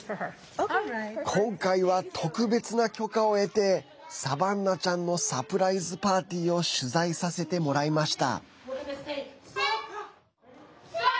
今回は特別な許可を得てサバンナちゃんのサプライズパーティーを取材させてもらいました。